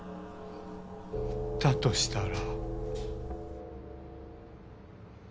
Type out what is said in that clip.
だとしたら。